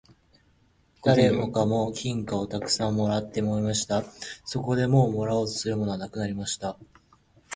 誰もかも金貨をたくさん貰って持っていました。そこでもう貰おうとするものはなくなりました。